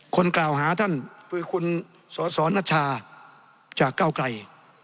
คนกล่าวหาท่านคือคุณสสนัชชาจากเก้าไกล